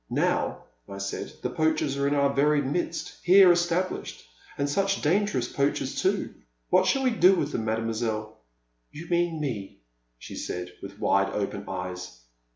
Now, I said, the poachers are in our very midst — here established — and such dangerous poachers, too ! What shall we do with them, Mademoiselle? *'You mean me," she said, with wide open eyes.